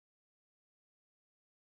banyak yang oursan orang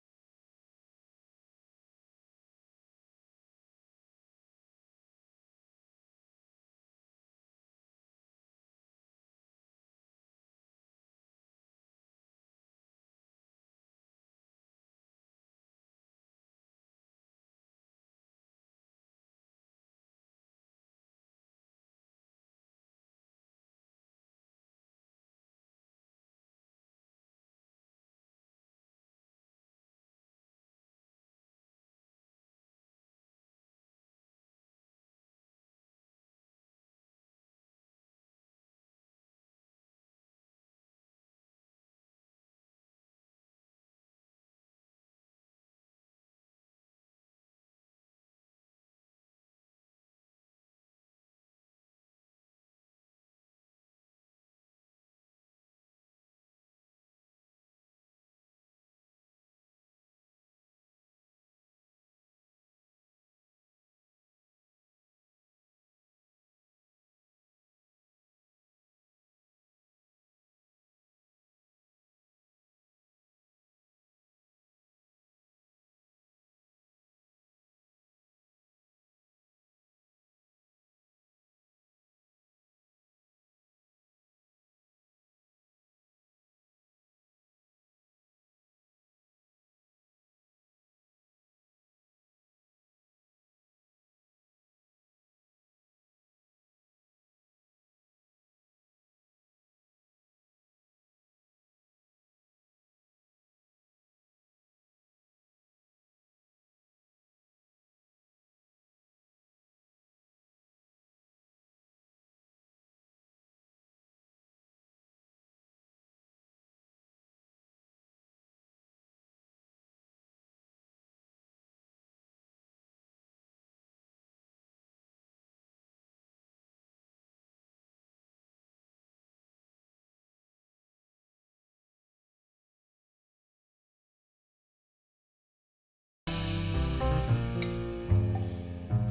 lain